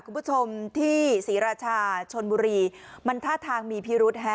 คุณผู้ชมที่ศรีราชาชนบุรีมันท่าทางมีพิรุษฮะ